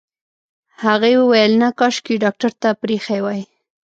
هغې وويل نه کاشکې يې ډاکټر ته پرېښې وای.